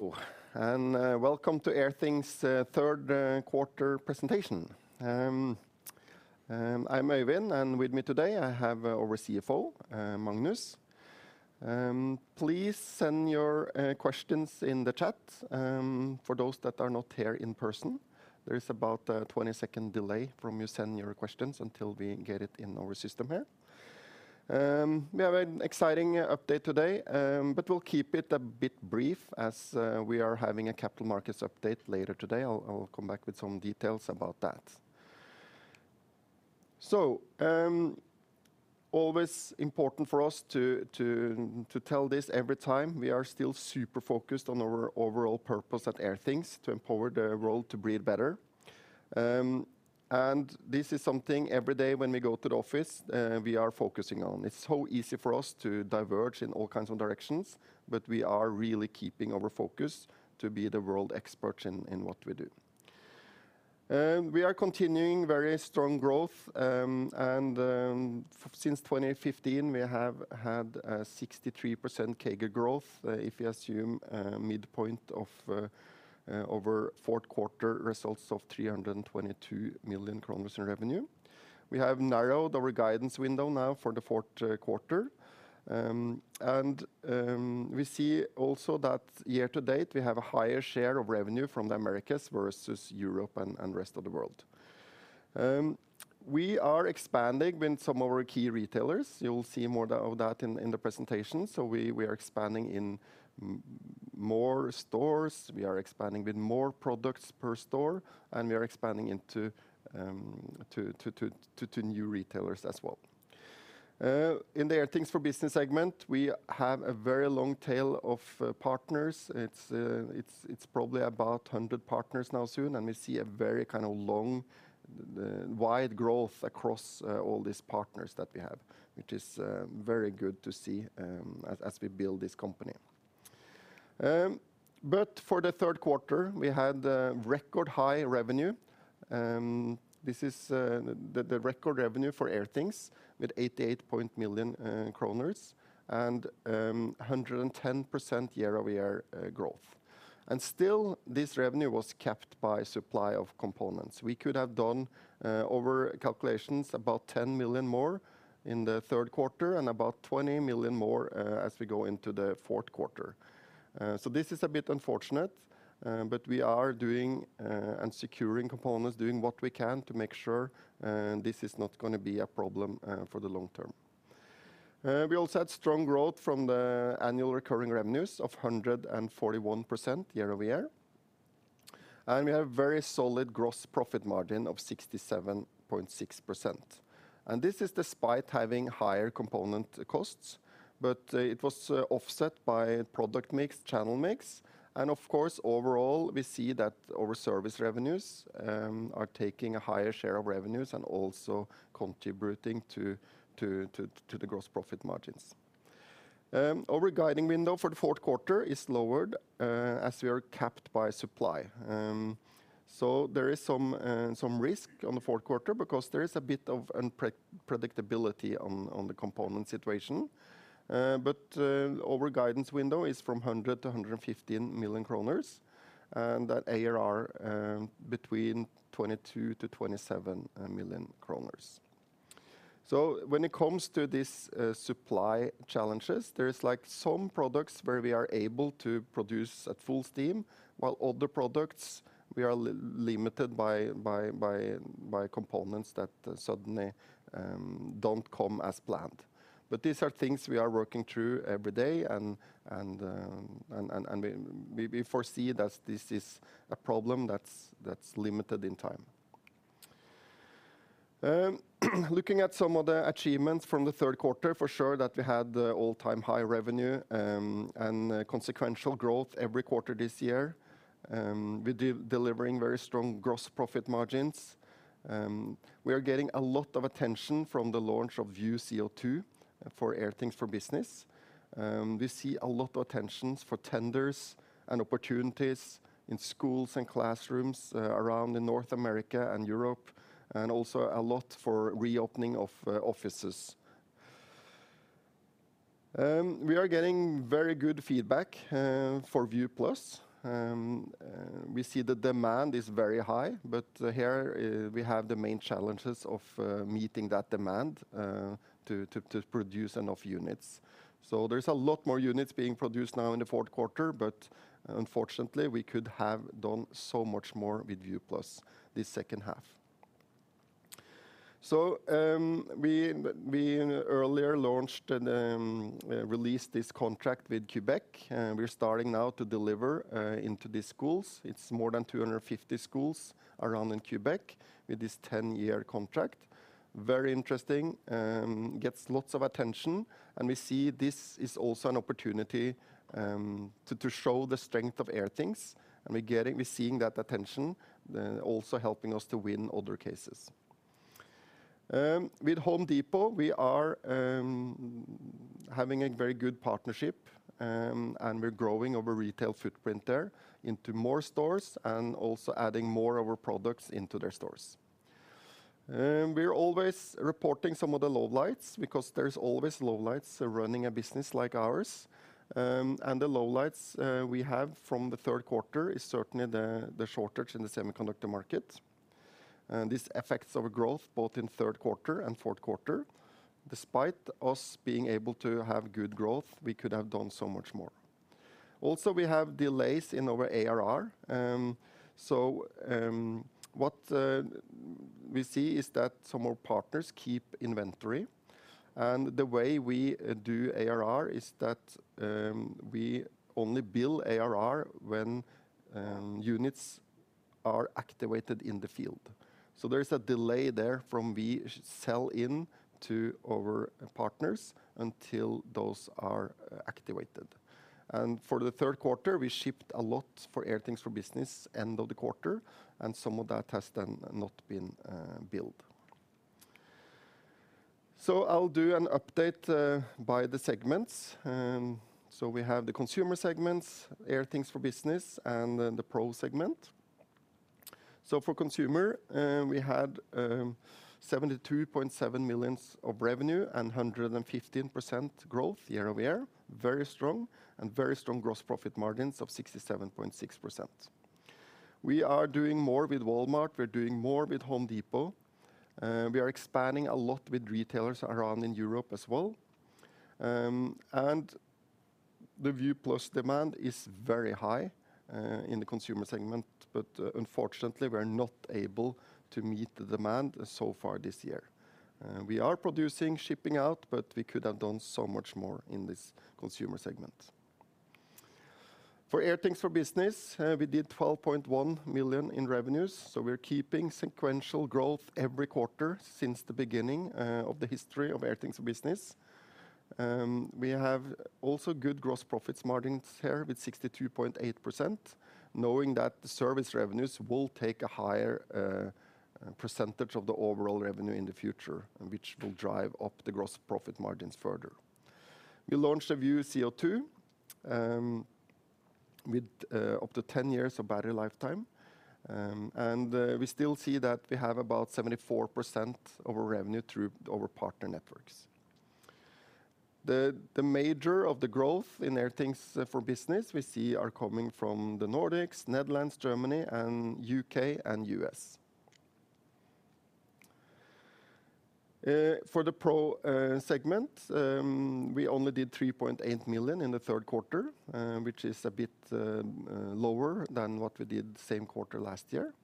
Hello and welcome to Airthings' third quarter presentation. I'm Øyvind, and with me today I have our CFO, Magnus. Please send your questions in the chat. For those that are not here in person, there is about a 20-second delay from when you send your questions until we get it in our system here. We have an exciting update today, but we'll keep it a bit brief as we are having a capital markets update later today. I'll come back with some details about that. Always important for us to tell this every time, we are still super focused on our overall purpose at Airthings, to empower the world to breathe better. This is something every day when we go to the office, we are focusing on. It's so easy for us to diverge in all kinds of directions, but we are really keeping our focus to be the world expert in what we do. We are continuing very strong growth. Since 2015 we have had a 63% CAGR growth, if you assume our fourth quarter results of 322 million kroner in revenue. We have narrowed our guidance window now for the fourth quarter. We see also that year to date we have a higher share of revenue from the Americas versus Europe and rest of the world. We are expanding with some of our key retailers. You'll see more of that in the presentation. We are expanding in more stores. We are expanding with more products per store, and we are expanding into to new retailers as well. In the Airthings for Business segment, we have a very long tail of partners. It's probably about 100 partners now soon, and we see a very kind of long, wide growth across all these partners that we have, which is very good to see, as we build this company. For the third quarter we had a record high revenue. This is the record revenue for Airthings with 88 million kroner and 110% year-over-year growth. Still this revenue was capped by supply of components. We could have done over calculations about 10 million more in the third quarter and about 20 million more as we go into the fourth quarter. This is a bit unfortunate, but we are doing and securing components, doing what we can to make sure this is not going to be a problem for the long-term. We also had strong growth from the annual recurring revenues of 141% year-over-year. We have very solid gross profit margin of 67.6%, and this is despite having higher component costs, but it was offset by product mix, channel mix. Of course, overall we see that our service revenues are taking a higher share of revenues and also contributing to the gross profit margins. Our guidance window for the fourth quarter is lowered as we are capped by supply. There is some risk on the fourth quarter because there is a bit of unpredictability on the component situation. Our guidance window is 100 million-115 million kroner, and that ARR between 22 million-27 million kroner. When it comes to this supply challenges, there is like some products where we are able to produce at full steam, while other products we are limited by components that suddenly don't come as planned. These are things we are working through every day and we foresee that this is a problem that's limited in time. Looking at some of the achievements from the third quarter, for sure that we had the all-time high revenue, and sequential growth every quarter this year, with delivering very strong gross profit margins. We are getting a lot of attention from the launch of View CO2 for Airthings for Business. We see a lot of attention for tenders and opportunities in schools and classrooms around in North America and Europe, and also a lot for reopening of offices. We are getting very good feedback for View Plus. We see the demand is very high, but here we have the main challenges of meeting that demand to produce enough units. There's a lot more units being produced now in the fourth quarter, but unfortunately we could have done so much more with View Plus this second half. We earlier launched and released this contract with Quebec, and we're starting now to deliver into the schools. It's more than 250 schools around in Quebec with this 10-year contract. Very interesting, gets lots of attention, and we see this is also an opportunity to show the strength of Airthings, and we're seeing that attention also helping us to win other cases. With Home Depot, we are having a very good partnership, and we're growing our retail footprint there into more stores and also adding more of our products into their stores. We're always reporting some of the lowlights because there's always lowlights running a business like ours. The lowlights we have from the third quarter is certainly the shortage in the semiconductor market. This affects our growth both in third quarter and fourth quarter. Despite us being able to have good growth, we could have done so much more. Also, we have delays in our ARR. What we see is that some of our partners keep inventory, and the way we do ARR is that we only bill ARR when units are activated in the field. There is a delay there from we sell in to our partners until those are activated. For the third quarter, we shipped a lot for Airthings for Business end of the quarter, and some of that has then not been billed. I'll do an update by the segments. We have the consumer segments, Airthings for Business, and then the Pro segment. For consumer, we had 72.7 million of revenue and 115% growth year-over-year. Very strong and very strong gross profit margins of 67.6%. We are doing more with Walmart. We're doing more with Home Depot. We are expanding a lot with retailers around in Europe as well. The View Plus demand is very high in the consumer segment, but unfortunately we're not able to meet the demand so far this year. We are producing, shipping out, but we could have done so much more in this consumer segment. For Airthings for Business, we did 12.1 million in revenues, so we're keeping sequential growth every quarter since the beginning of the history of Airthings for Business. We have also good gross profit margins here with 62.8%, knowing that the service revenues will take a higher percentage of the overall revenue in the future, and which will drive up the gross profit margins further. We launched the View CO2 with up to 10 years of battery lifetime. We still see that we have about 74% of our revenue through our partner networks. The major of the growth in Airthings for Business we see are coming from the Nordics, Netherlands, Germany, and U.K. and U.S. For the Pro segment, we only did 3.8 million in the third quarter, which is a bit lower than what we did the same quarter last year.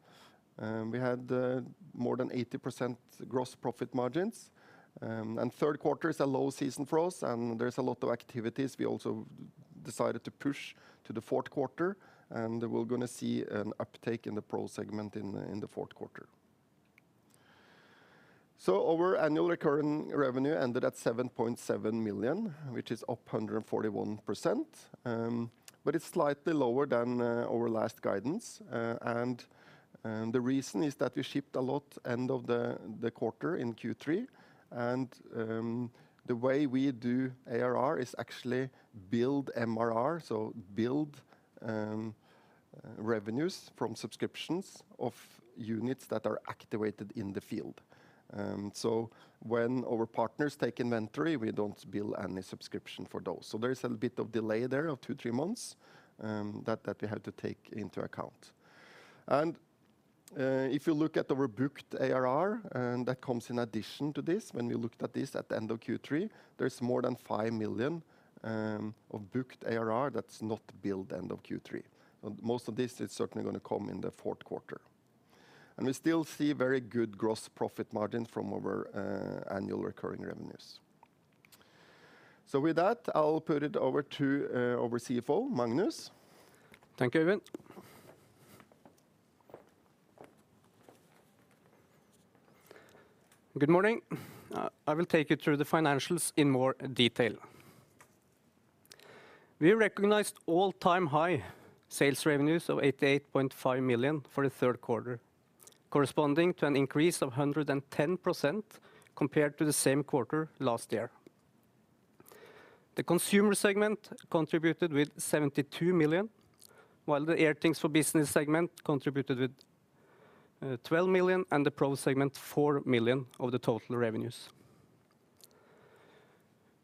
We had more than 80% gross profit margins. Third quarter is a low season for us, and there's a lot of activities we also decided to push to the fourth quarter, and we're going to see an uptake in the Pro segment in the fourth quarter. Our annual recurring revenue ended at 7.7 million, which is up 141%, but it's slightly lower than our last guidance. The reason is that we shipped a lot at the end of the quarter in Q3. The way we do ARR is actually build MRR, so build revenues from subscriptions of units that are activated in the field. When our partners take inventory, we don't bill any subscription for those. There is a bit of delay there of two, three months that we have to take into account. If you look at our booked ARR, and that comes in addition to this, when we looked at this at the end of Q3, there's more than 5 million of booked ARR that's not billed at the end of Q3. Most of this is certainly going to come in the fourth quarter. We still see very good gross profit margin from our annual recurring revenues. With that, I'll put it over to our CFO, Magnus. Thank you, Øyvind. Good morning. I will take you through the financials in more detail. We recognized all-time high sales revenues of 88.5 million for the third quarter, corresponding to an increase of 110% compared to the same quarter last year. The Consumer segment contributed with 72 million, while the Airthings for Business segment contributed with 12 million, and the Pro segment 4 million of the total revenues.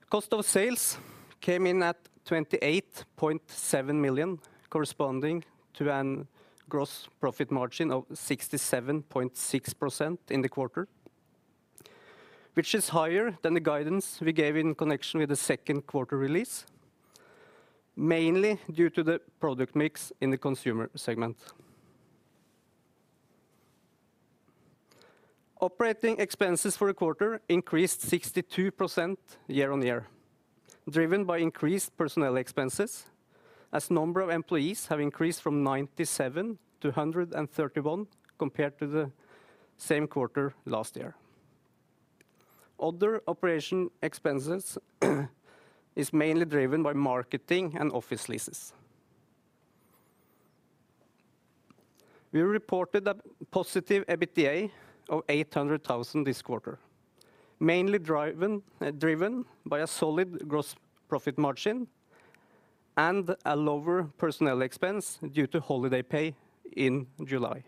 Cost of sales came in at 28.7 million, corresponding to a gross profit margin of 67.6% in the quarter, which is higher than the guidance we gave in connection with the second quarter release, mainly due to the product mix in the Consumer segment. Operating expenses for the quarter increased 62% year-on-year, driven by increased personnel expenses as number of employees have increased from 97 to 131 compared to the same quarter last year. Other operation expenses is mainly driven by marketing and office leases. We reported a positive EBITDA of 800,000 this quarter, mainly driven by a solid gross profit margin and a lower personnel expense due to holiday pay in July.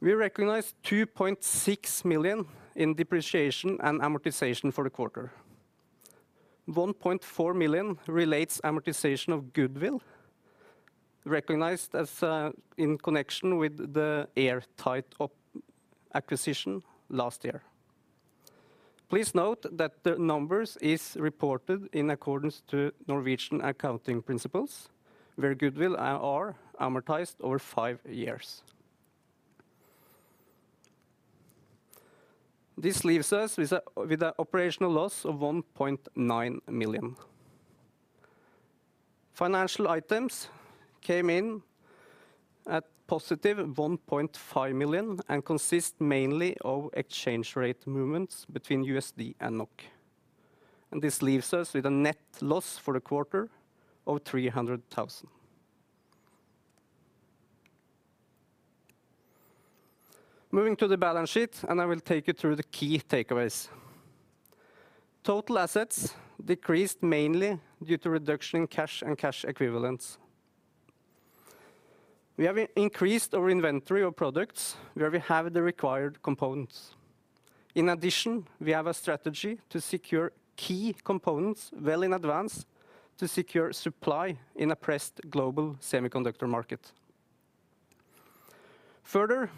We recognize 2.6 million in depreciation and amortization for the quarter. 1.4 million relates amortization of goodwill, recognized as in connection with the Airtight acquisition last year. Please note that the numbers is reported in accordance to Norwegian accounting principles, where goodwill are amortized over five years. This leaves us with a operational loss of 1.9 million. Financial items came in at positive 1.5 million and consist mainly of exchange rate movements between USD and NOK. This leaves us with a net loss for the quarter of 300,000. Moving to the balance sheet, I will take you through the key takeaways. Total assets decreased mainly due to reduction in cash and cash equivalents. We have increased our inventory of products where we have the required components. In addition, we have a strategy to secure key components well in advance to secure supply in a pressed global semiconductor market. Further,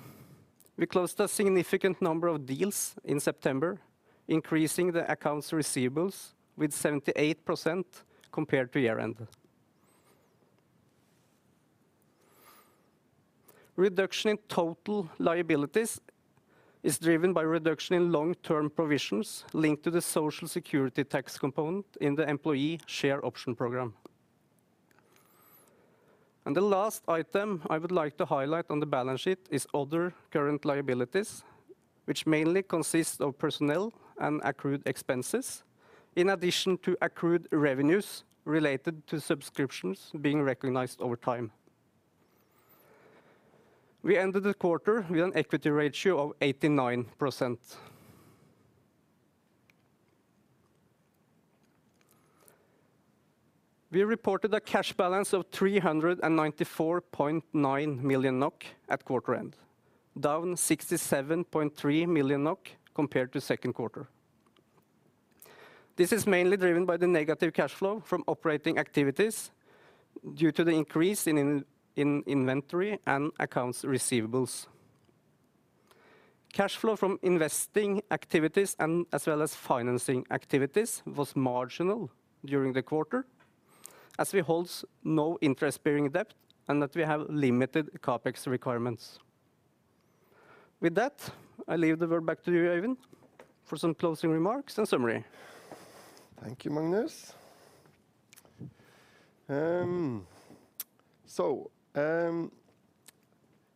we closed a significant number of deals in September, increasing the accounts receivables with 78% compared to year end. Reduction in total liabilities is driven by reduction in long-term provisions linked to the Social Security tax component in the employee share option program. The last item I would like to highlight on the balance sheet is other current liabilities, which mainly consists of personnel and accrued expenses, in addition to accrued revenues related to subscriptions being recognized over time. We ended the quarter with an equity ratio of 89%. We reported a cash balance of 394.9 million NOK at quarter end, down 67.3 million NOK compared to second quarter. This is mainly driven by the negative cash flow from operating activities due to the increase in inventory and accounts receivables. Cash flow from investing activities and as well as financing activities was marginal during the quarter, as we holds no interest-bearing debt and that we have limited CapEx requirements. With that, I leave the word back to you, Øyvind, for some closing remarks and summary. Thank you, Magnus.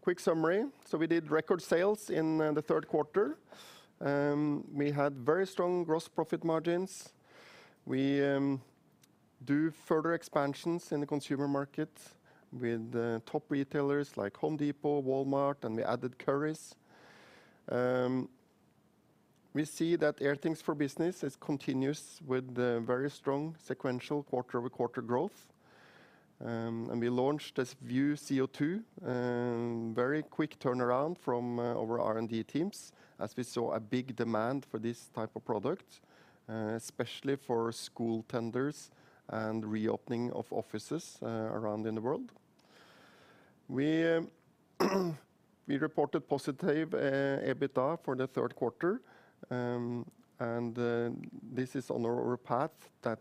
Quick summary. We did record sales in the third quarter. We had very strong gross profit margins. We do further expansions in the consumer market with top retailers like Home Depot, Walmart, and we added Currys. We see that Airthings for Business is continuous with very strong sequential quarter-over-quarter growth. We launched this View CO2, very quick turnaround from our R&D teams as we saw a big demand for this type of product, especially for school tenders and reopening of offices, around in the world. We reported positive EBITDA for the third quarter. This is on our path that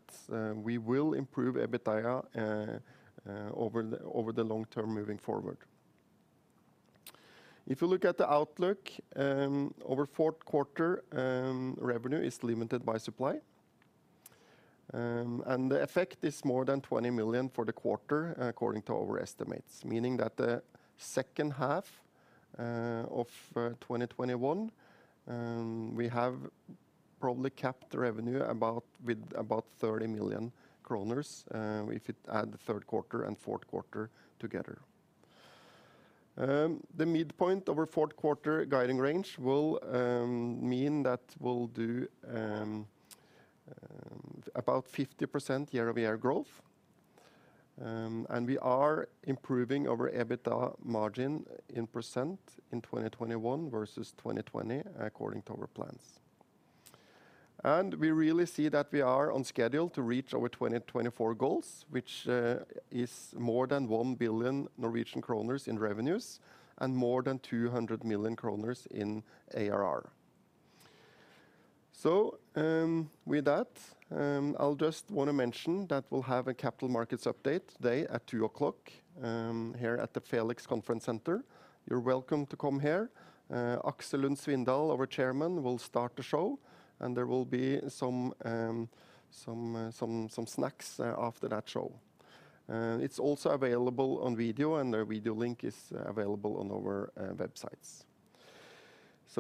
we will improve EBITDA over the long-term moving forward. If you look at the outlook, over fourth quarter, revenue is limited by supply. The effect is more than 20 million for the quarter according to our estimates, meaning that the second half of 2021, we have probably capped revenue about with about 30 million kroner, if you add the third quarter and fourth quarter together. The midpoint of our fourth quarter guiding range will mean that we'll do about 50% year-over-year growth. We are improving our EBITDA margin in percent in 2021 versus 2020, according to our plans. We really see that we are on schedule to reach our 2024 goals, which is more than 1 billion Norwegian kroner in revenues and more than 200 million kroner in ARR. With that, I'll just want to mention that we'll have a capital markets update today at 2:00 P.M. here at the Felix Conference Center. You're welcome to come here. Aksel Lund Svindal, our Chairman, will start the show, and there will be some snacks after that show. It's also available on video, and the video link is available on our websites.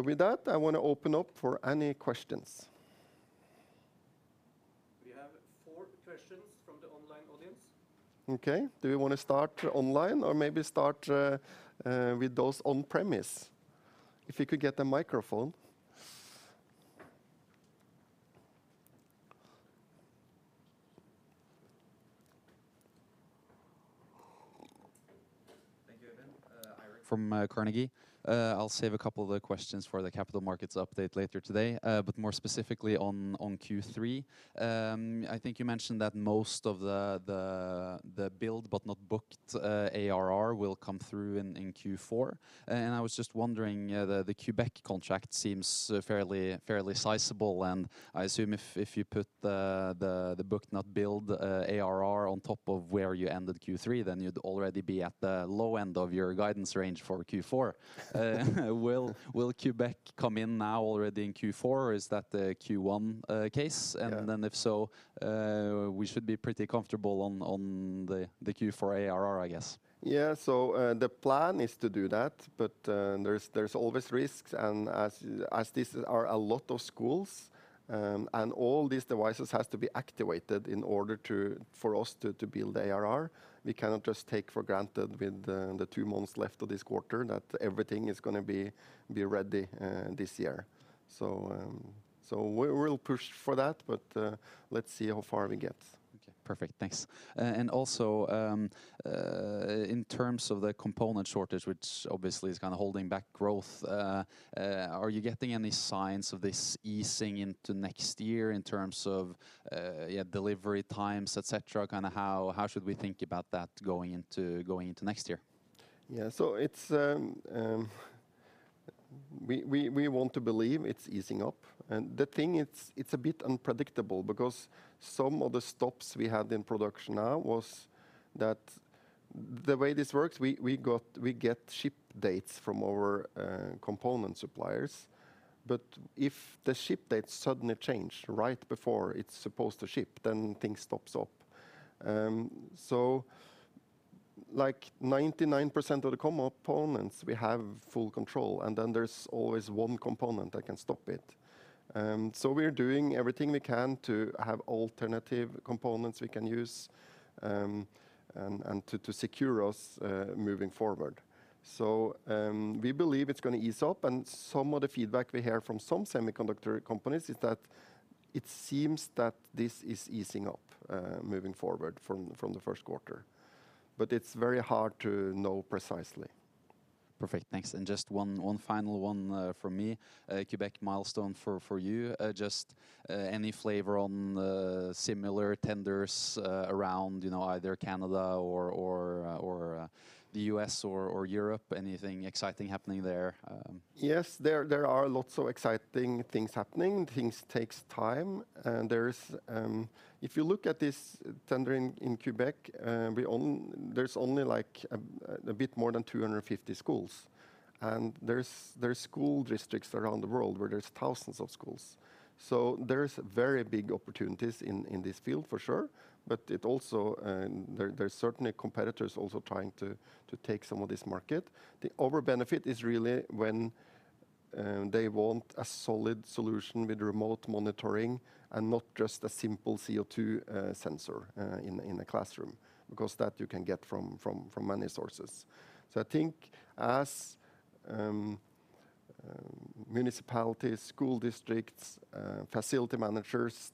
With that, I want to open up for any questions. We have four questions from the online audience. Okay. Do we want to start online or maybe start with those on premise? If you could get the microphone. Thank you. [Eirik, Ira from Carnegie]. I'll save a couple of the questions for the capital markets update later today. More specifically on Q3, I think you mentioned that most of the booked-but-not-billed ARR will come through in Q4, and I was just wondering, the Quebec contract seems fairly sizable, and I assume if you put the booked-not-billed ARR on top of where you ended Q3, then you'd already be at the low end of your guidance range for Q4. Will Quebec come in now already in Q4, or is that a Q1 case? If so, we should be pretty comfortable on the Q4 ARR, I guess. Yeah. The plan is to do that, but there's always risks, and as there are a lot of schools, and all these devices have to be activated in order for us to build ARR. We cannot just take for granted that, with the two months left of this quarter, everything is going to be ready this year. We will push for that, but let's see how far we get. Okay. Perfect. Thanks. Also, in terms of the component shortage, which obviously is kind of holding back growth, are you getting any signs of this easing into next year in terms of delivery times, et cetera? Kinda how should we think about that going into next year? Yeah. We want to believe it's easing up, and it's a bit unpredictable because some of the stops we had in production now was that the way this works, we get ship dates from our component suppliers. But if the ship date suddenly change right before it's supposed to ship, then things stops up. So like 99% of the components we have full control, and then there's always one component that can stop it. We're doing everything we can to have alternative components we can use, and to secure us moving forward. We believe it's going to ease up, and some of the feedback we hear from some semiconductor companies is that it seems that this is easing up moving forward from the first quarter. It's very hard to know precisely. Perfect. Thanks. Just one final one from me. Quebec milestone for you, just any flavor on the similar tenders around, you know, either Canada or the U.S. or Europe? Anything exciting happening there? Yes. There are lots of exciting things happening. Airthings takes time. If you look at this tendering in Quebec, there's only, like, a bit more than 250 schools, and there's school districts around the world where there's thousands of schools. There's very big opportunities in this field for sure, but it also, there's certainly competitors also trying to take some of this market. The other benefit is really when they want a solid solution with remote monitoring and not just a simple CO2 sensor in the classroom because that you can get from many sources.I think as municipalities, school districts, facility managers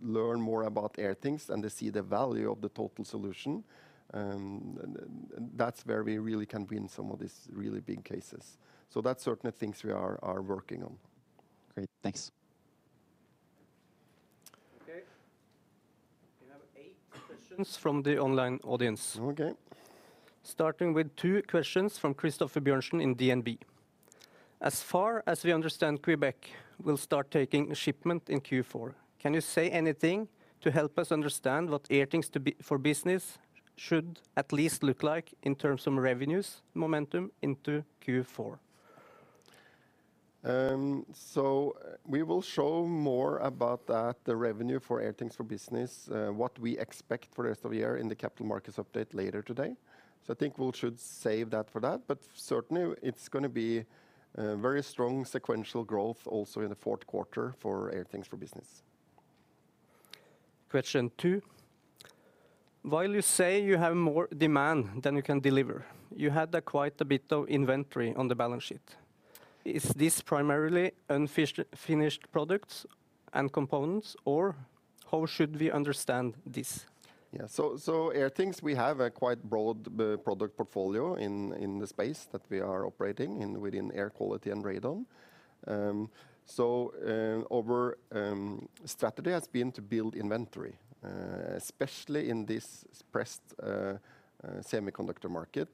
learn more about Airthings and they see the value of the total solution, then that's where we really can win some of these really big cases. That's certainly things we are working on. Great. Thanks. Okay. We have eight questions from the online audience. Starting with two questions from Christoffer Bjørnsen in DNB. As far as we understand, Quebec will start taking a shipment in Q4. Can you say anything to help us understand what Airthings for Business should at least look like in terms of revenues momentum into Q4? We will show more about the revenue for Airthings for Business, what we expect for the rest of the year in the capital markets update later today. I think we should save that for that. Certainly it's going to be very strong sequential growth also in the fourth quarter for Airthings for Business. Question two. While you say you have more demand than you can deliver, you had quite a bit of inventory on the balance sheet. Is this primarily unfinished products and components, or how should we understand this? Airthings, we have a quite broad product portfolio in the space that we are operating in, within air quality and radon. Our strategy has been to build inventory, especially in this stressed semiconductor market.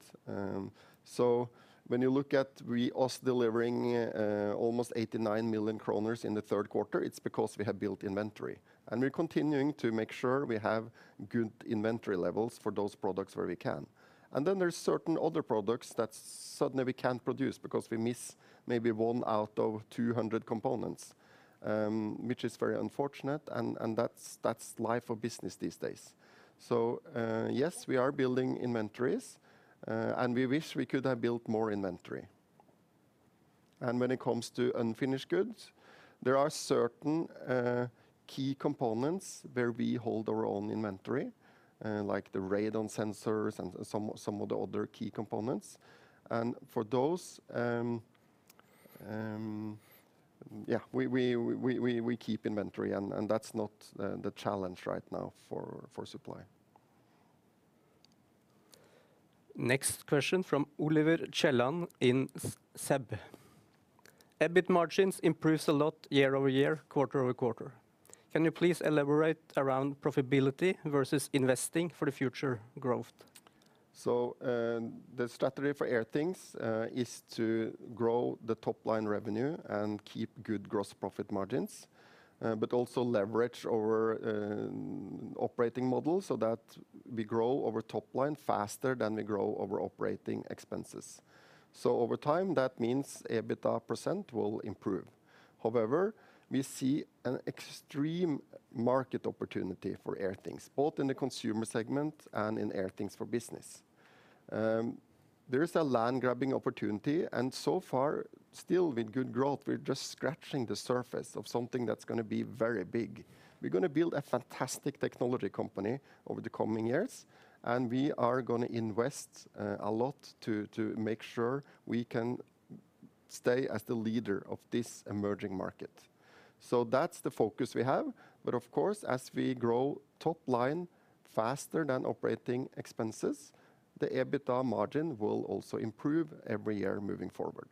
When you look at us delivering almost 89 million kroner in the third quarter, it's because we have built inventory. We're continuing to make sure we have good inventory levels for those products where we can. Then there's certain other products that suddenly we can't produce because we miss maybe one out of 200 components, which is very unfortunate and that's life in business these days. Yes, we are building inventories, and we wish we could have built more inventory. When it comes to unfinished goods, there are certain key components where we hold our own inventory, like the radon sensors and some of the other key components. For those, yeah, we keep inventory and that's not the challenge right now for supply. Next question from Oliver Kielland in SEB. EBIT margins improves a lot year-over-year, quarter-over-quarter. Can you please elaborate around profitability versus investing for the future growth? The strategy for Airthings is to grow the top-line revenue and keep good gross profit margins, but also leverage our operating model so that we grow our top line faster than we grow our operating expenses. Over time, that means EBITDA percent will improve. However, we see an extreme market opportunity for Airthings, both in the consumer segment and in Airthings for Business. There is a land grabbing opportunity, and so far, still with good growth, we're just scratching the surface of something that's going to be very big. We're going to build a fantastic technology company over the coming years, and we are going to invest a lot to make sure we can stay as the leader of this emerging market. That's the focus we have. Of course, as we grow top line faster than operating expenses, the EBITDA margin will also improve every year moving forward.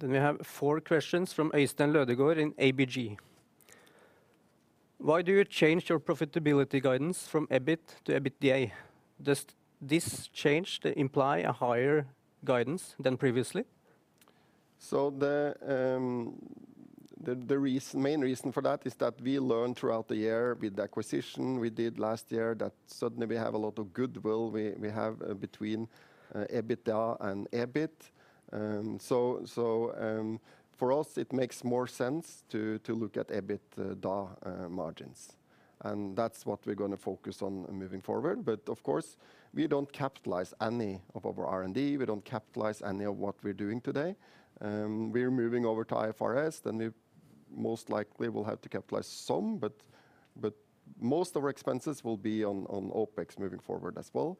We have four questions from Øystein Lodgaard in ABG. Why do you change your profitability guidance from EBIT to EBITDA? Does this change imply a higher guidance than previously? The main reason for that is that we learned throughout the year with the acquisition we did last year that suddenly we have a lot of goodwill we have between EBITDA and EBIT. For us it makes more sense to look at EBITDA margins, and that's what we're going to focus on moving forward. Of course, we don't capitalize any of our R&D. We don't capitalize any of what we're doing today. We are moving over to IFRS, then we most likely will have to capitalize some, but most of our expenses will be on OpEx moving forward as well.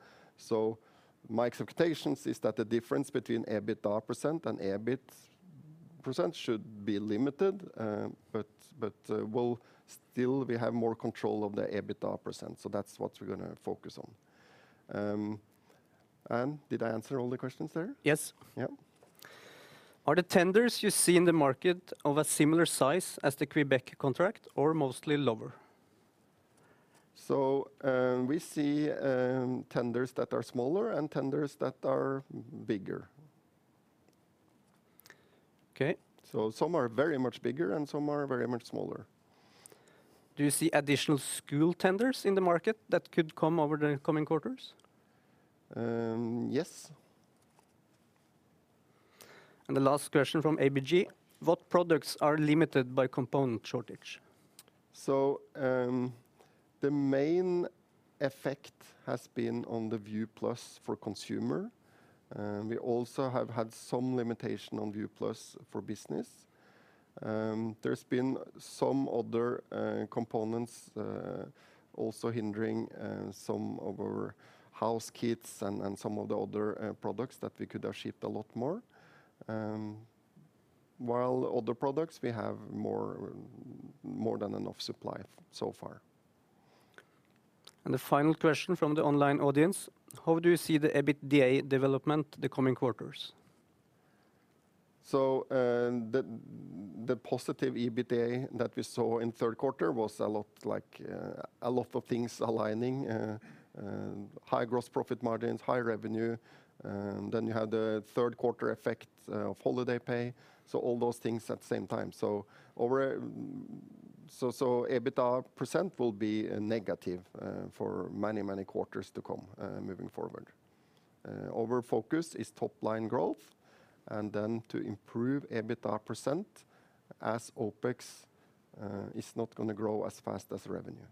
My expectations is that the difference between EBITDA percent and EBIT percent should be limited. But we'll still we have more control of the EBITDA %, so that's what we're going to focus on. Did I answer all the questions there? Yes. Are the tenders you see in the market of a similar size as the Quebec contract, or mostly lower? We see tenders that are smaller and tenders that are bigger. Some are very much bigger, and some are very much smaller. Do you see additional school tenders in the market that could come over the coming quarters? Yes. The last question from ABG. What products are limited by component shortage? The main effect has been on the View Plus for consumer. We also have had some limitation on View Plus for business. There's been some other components also hindering some of our House Kit and some of the other products that we could have shipped a lot more. While other products we have more than enough supply so far. The final question from the online audience, how do you see the EBITDA development the coming quarters? The positive EBITDA that we saw in third quarter was a lot like a lot of things aligning. High gross profit margins, high revenue, then you had the third quarter effect of holiday pay, so all those things at the same time. EBITDA percent will be negative for many quarters to come, moving forward. Our focus is top-line growth, and then to improve EBITDA percent as OpEx is not going to grow as fast as revenue.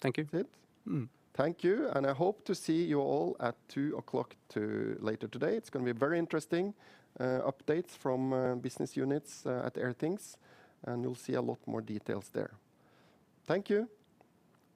Thank you. That's it. Thank you, and I hope to see you all at 2:00 P.M. later today. It's going to be very interesting, updates from business units at Airthings, and you'll see a lot more details there. Thank you.